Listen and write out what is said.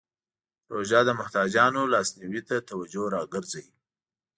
روژه د محتاجانو لاسنیوی ته توجه راګرځوي.